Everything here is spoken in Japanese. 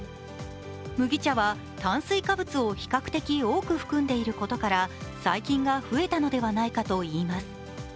麦茶は炭水化物を比較的多く含んでいることから細菌が増えたのではないかといいます。